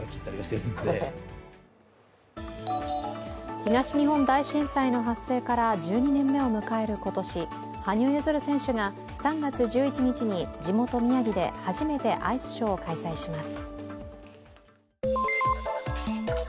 東日本大震災の発生から１２年目を迎える今年、羽生結弦選手が３月１１日に地元・宮城で初めてアイスショーを開催します。